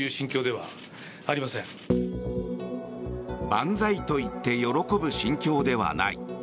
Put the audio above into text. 万歳と言って喜ぶ心境ではない。